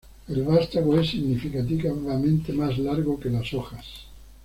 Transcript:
El vástago es significativamente más largo que las hojas.